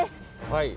はい。